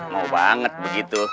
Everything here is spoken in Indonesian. mau banget begitu